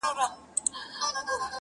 • چي وعدې یې د کوثر د جام کولې -